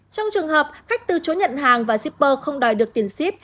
trong trường hợp khách từ chối nhận hàng và shipper không đòi được tiền ship